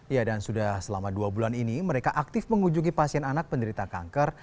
ya dan sudah selama dua bulan ini mereka aktif mengunjungi pasien anak penderita kanker